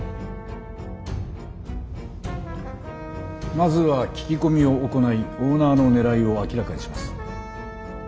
まずは聞き込みを行いオーナーの狙いを明らかにします。